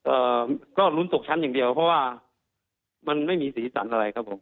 เอ่อก็ลุ้นตกชั้นอย่างเดียวเพราะว่ามันไม่มีสีสันอะไรครับผม